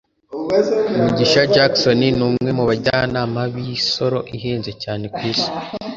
mugisha jackson ni umwe mu bajyanama b'imisoro ihenze cyane ku isi